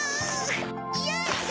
よいしょ！